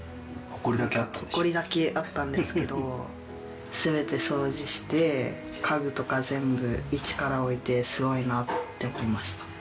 ほこりだけあったんですけど全て掃除して家具とか全部一から置いてすごいなって思いました。